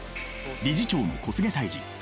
理事長の小菅泰治。